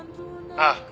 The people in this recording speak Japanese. ああ